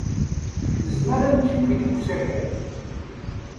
Nezmer ad nečč imekli deg usakal.